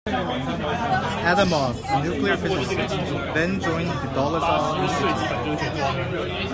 Adamov, a nuclear physicist, then joined the Dollezhal Institute.